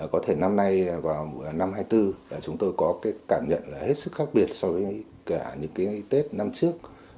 có thể năm nay vào năm hai mươi bốn chúng tôi có cái cảm nhận là hết sức khác biệt so với cả những cái tết năm trước